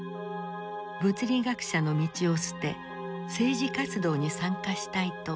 物理学者の道を捨て政治活動に参加したいと申し出た。